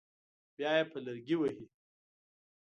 بیا یې په لرګي وهي.